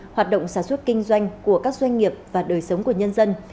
hoạt động sản xuất kinh doanh của các doanh nghiệp và đời sống của nhân dân